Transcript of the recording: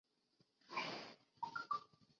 县治位于漯水市。